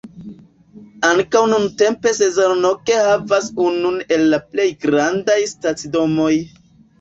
Ankaŭ nuntempe Szolnok havas unun el la plej grandaj stacidomoj.